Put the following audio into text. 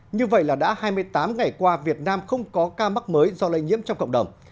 như vậy là đã hai mươi tám ngày qua việt nam không có ca mắc mới do lây nhiễm trong cộng đồng